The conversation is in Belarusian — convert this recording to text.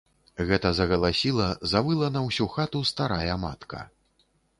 Гэта загаласіла, завыла на ўсю хату старая матка.